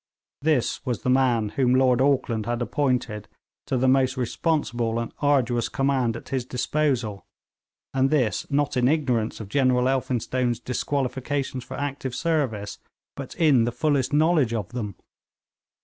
This was the man whom Lord Auckland had appointed to the most responsible and arduous command at his disposal, and this not in ignorance of General Elphinstone's disqualifications for active service, but in the fullest knowledge of them!